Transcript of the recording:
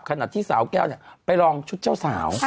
ขนาดที่สาวแก่วเนี่ยไปลองชุดเจ้าสาว